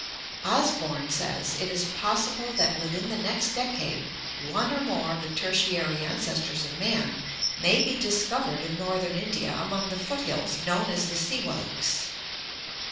Osborn says: "It is possible that within the next decade one or more of the Tertiary ancestors of man may be Discovered in northern India among the foot hills known as the Siwaliks.